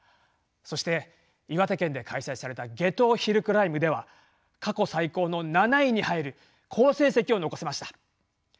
そして岩手県で開催された夏油ヒルクライムでは過去最高の７位に入る好成績を残せました。